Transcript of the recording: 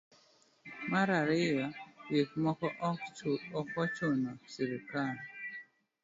mar ariyo gik moko ok ochuno srikal